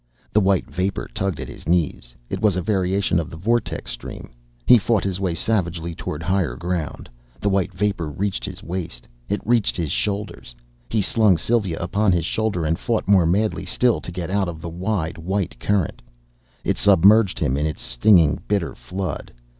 The white vapor tugged at his knees. It was a variation of a vortex stream. He fought his way savagely toward higher ground. The white vapor reached his waist.... It reached his shoulders.... He slung Sylva upon his shoulder and fought more madly still to get out of the wide white current.... It submerged him in its stinging, bitter flood....